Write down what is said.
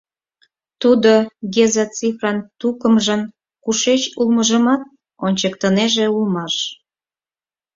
Тудо Геза Цифран тукымжын кушеч улмыжымат ончыктынеже улмаш.